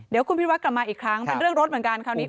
เดี๋ยวคุณพิวัตกลับมาอีกครั้งเป็นเรื่องรถเหมือนกันคราวนี้